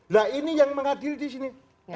nah ini yang mengadil disini